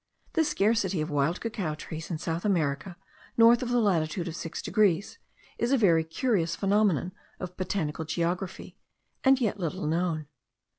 This scarcity of wild cacao trees in South America, north of the latitude of 6 degrees, is a very curious phenomenon of botanical geography, and yet little known.